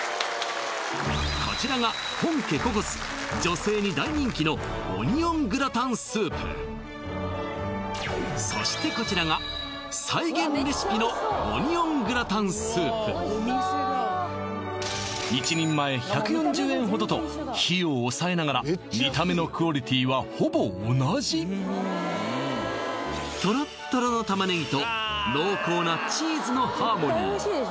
こちらが本家ココス女性に大人気のそしてこちらが再現レシピのオニオングラタンスープ１人前１４０円ほどと費用を抑えながら見た目のクオリティーはほぼ同じトロットロの玉ねぎと濃厚なチーズのハーモニー